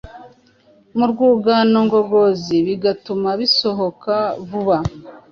mu rwungano ngogozi bigatuma bisohoka vuba,